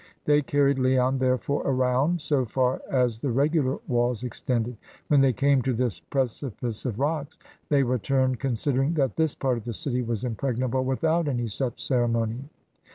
They carried Leon, therefore, around, so far as the regular walls extended. WTien they came to this precipice of rocks, they returned, considering that this part of the city was impregnable without any such ceremony.